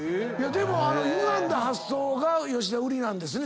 でもゆがんだ発想が吉田売りなんですね。